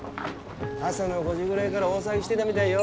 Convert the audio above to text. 朝の５時ぐらいがら大騒ぎしてだみだいよ。